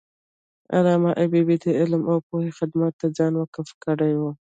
علامه حبیبي د علم او پوهې خدمت ته ځان وقف کړی و.